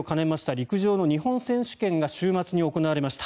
陸上の日本選手権が週末に行われました。